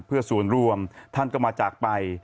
เพื่อศูนย์รวมท่านก็มาจากไป